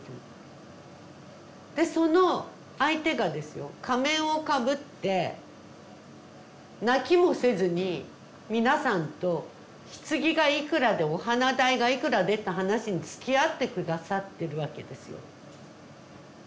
でその相手がですよ仮面をかぶって泣きもせずに皆さんとひつぎがいくらでお花代がいくらでって話につきあって下さってるわけですよ。